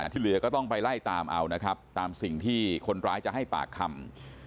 ที่เหลือก็ต้องไปไล่ตามเอานะครับตามสิ่งที่คนร้ายจะให้ปากคำ